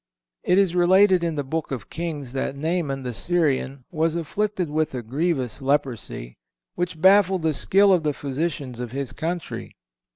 (463) It is related in the Book of Kings that Naaman, the Syrian, was afflicted with a grievous leprosy, which baffled the skill of the physicians of his country.